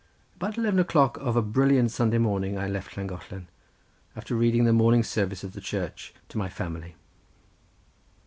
About eleven o'clock of a brilliant Sunday morning I left Llangollen, after reading the morning service of the Church to my family.